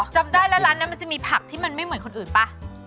จำได้แล้วร้านนั้นมันจะมีผักที่มันไม่เหมือนคนอื่นป่ะ